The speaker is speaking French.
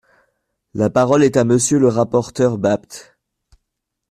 La parole est à Monsieur le rapporteur Bapt.